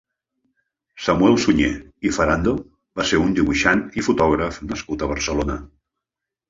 Samuel Suñé i Farando va ser un dibuixant i fotògraf nascut a Barcelona.